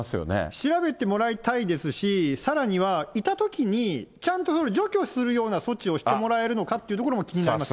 調べてもらいたいですし、さらにはいたときに、ちゃんと除去するような措置をしてもらえるのかっていうところも気になります